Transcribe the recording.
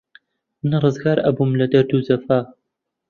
من ڕزگار ئەبووم لە دەرد و جەفا